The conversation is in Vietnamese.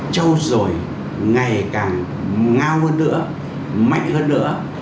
trâu dồi ngày càng ngao hơn nữa mạnh hơn nữa